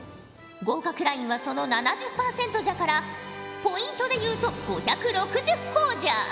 合格ラインはその７０％じゃからポイントで言うと５６０ほぉじゃ。